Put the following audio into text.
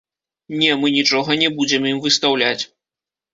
Не, мы нічога не будзем ім выстаўляць.